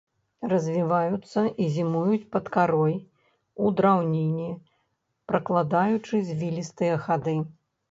Развіваюцца і зімуюць пад карой, у драўніне, пракладаючы звілістыя хады.